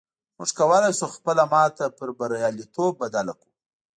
موږ کولی شو خپله ماتې پر برياليتوب بدله کړو.